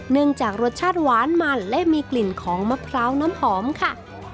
เนื่องจากรสชาติหวานมันและมีกลิ่นของมะพร้าวน้ำหอมค่ะ